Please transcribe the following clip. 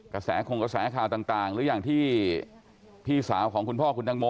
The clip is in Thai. กระแสคงกระแสข่าวต่างหรืออย่างที่พี่สาวของคุณพ่อคุณตังโม